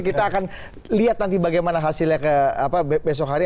kita akan lihat nanti bagaimana hasilnya besok hari